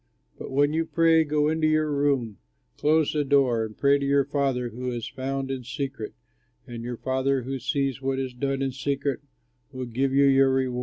But when you pray, go into your room, close the door, and pray to your Father who is found in secret, and your Father who sees what is done in secret will give you your reward.